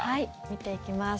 見ていきます。